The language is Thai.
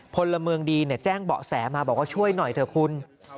พลเมืองดีแจ้งเบาะแสมาบอกว่าช่วยหน่อยเถอะคุณ